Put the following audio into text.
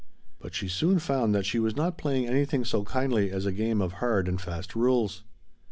But she soon found that she was not playing anything so kindly as a game of hard and fast rules.